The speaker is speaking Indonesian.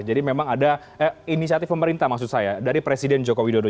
jadi memang ada inisiatif pemerintah maksud saya dari presiden joko widodo